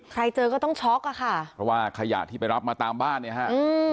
เจอก็ต้องช็อกอ่ะค่ะเพราะว่าขยะที่ไปรับมาตามบ้านเนี่ยฮะอืม